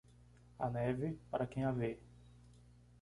A neve, para quem a vê.